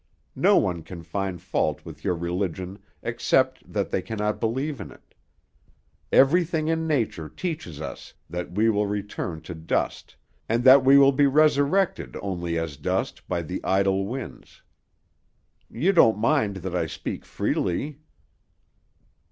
No one can find fault with your religion except that they cannot believe in it. Everything in nature teaches us that we will return to dust, and that we will be resurrected only as dust by the idle winds. You don't mind that I speak freely?"